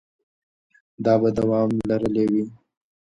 دا به دوام لرلی وي.